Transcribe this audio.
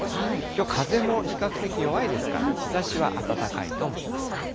きょう風も比較的弱いですから、日ざしは暖かいと思います。